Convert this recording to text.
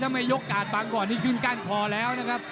ทำไมยกขาดบางก่อนนี่ขึ้นกาลคอแล้วนะครับ